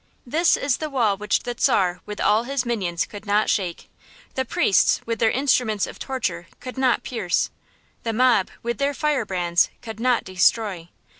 This is the wall which the Czar with all his minions could not shake, the priests with their instruments of torture could not pierce, the mob with their firebrands could not destroy.